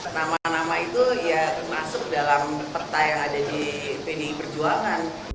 nama nama itu ya termasuk dalam perta yang ada di pdi perjuangan